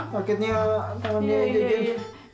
paketnya tangannya aja jin